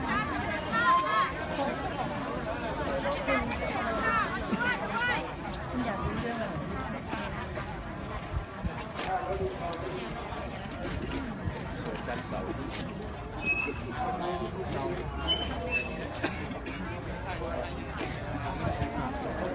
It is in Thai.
มีผู้ที่ได้รับบาดเจ็บและถูกนำตัวส่งโรงพยาบาลเป็นผู้หญิงวัยกลางคน